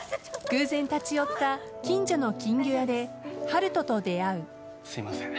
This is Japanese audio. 偶然立ち寄った近所の金魚屋ですみません。